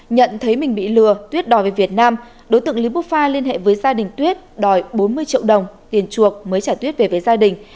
nhận thấy mình bị lừa tuyết đòi về việt nam đối tượng lý bút pha liên hệ với gia đình tuyết đòi bốn mươi triệu đồng tiền chuộc mới trả tuyết về với gia đình